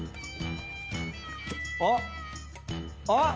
あっ。